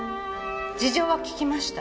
事情は聞きました。